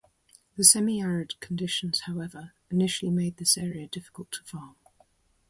The semi-arid conditions, however, initially made this area difficult to farm.